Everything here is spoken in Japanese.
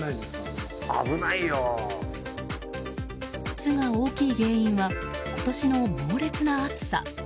巣が大きい原因は今年の猛烈な暑さ。